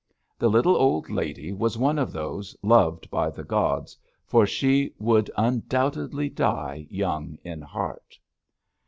The little old lady was one of those loved by the gods, for she would undoubtedly die young in heart.